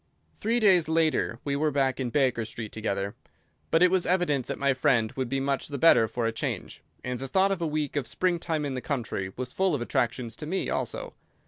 Three days later we were back in Baker Street together; but it was evident that my friend would be much the better for a change, and the thought of a week of spring time in the country was full of attractions to me also.